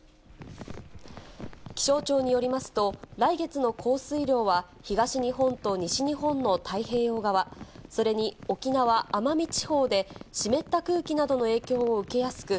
気象庁によりますと、来月の降水量は、東日本と西日本の太平洋側、それに沖縄・奄美地方で湿った空気などの影響を受けやすく、